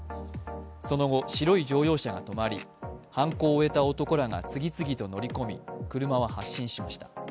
その後、白い乗用車が止まり、犯行を終えた男らが次々と乗り込み、車は発進しました。